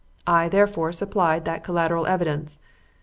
I, therefore, supplied that collateral evidence.